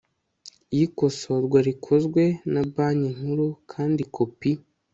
y ikosorwa rikozwe na banki nkuru kandi kopi